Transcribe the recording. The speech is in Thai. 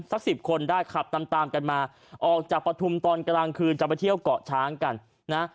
สักสิบคนได้ขับตามตามกันมาออกจากปฐุมตอนกลางคืนจะไปเที่ยวเกาะช้างกันนะ